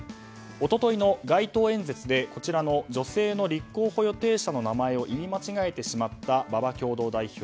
一昨日の街頭演説でこちらの女性の立候補予定者の名前を言い間違えてしまった馬場共同代表。